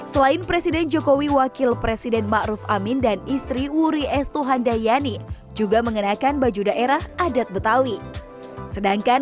selain presiden jokowi wakil presiden ma'ruf amin dan istri wuri estuhan dayani juga mengenakan baju daerah adat tanibar